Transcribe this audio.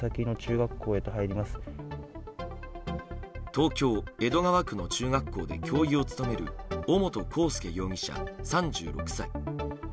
東京・江戸川区の中学校で教諭を務める尾本幸祐容疑者、３６歳。